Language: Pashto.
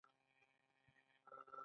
خو کارګران د پانګوال له خوا استثمارېږي